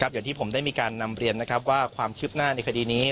อย่างที่ผมได้มีการนำเรียนว่าความคืบหน้าในคดีนี้